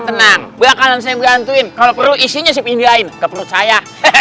tenang belakangan saya menggantuin kalau perlu isinya saya pindahin ke perut saya